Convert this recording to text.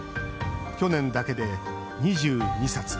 去年だけで２２冊。